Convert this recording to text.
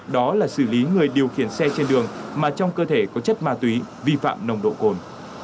đó là xử lý người điều khiển xe trên đường mà trong cơ thể có chất ma túy vi phạm nồng độ cồn